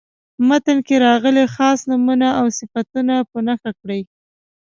په متن کې راغلي خاص نومونه او صفتونه په نښه کړئ.